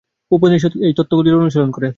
উপনিষদ কেবল এই তত্ত্বগুলিরই অনুশীলন করে।